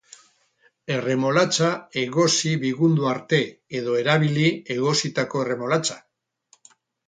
Erremolatxa egosi bigundu arte, edo erabili egositako erremolatxa.